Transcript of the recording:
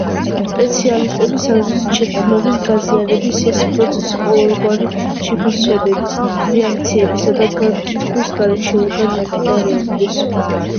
სპეციალისტების აზრით, შეცნობის, გააზრების ეს პროცესი ყოველგვარი შეფასებების, რეაქციებისა და განკიცხვის გარეშე უნდა მიმდინარეობდეს.